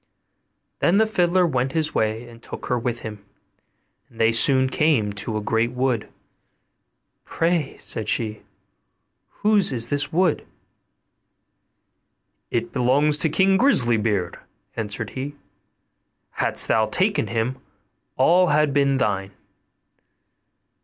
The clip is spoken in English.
Then the fiddler went his way, and took her with him, and they soon came to a great wood. 'Pray,' said she, 'whose is this wood?' 'It belongs to King Grisly beard,' answered he; 'hadst thou taken him, all had been thine.